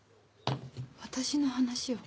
私の話を？